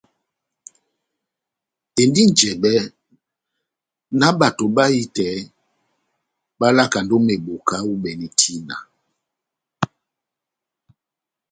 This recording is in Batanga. Endi njɛbɛ ná bato bahitɛ bá lakand'ó meboka u'bɛne tina.